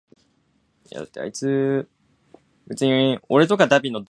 ミズーリ州の州都はジェファーソンシティである